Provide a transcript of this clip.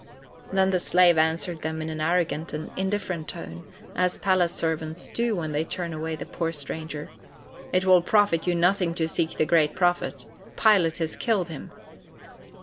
Then the slave answered them in an arrogant and indifferent tone—as palace servants do when they turn away the poor stranger: "It will profit you nothing to seek the great Prophet. Pilate has killed him."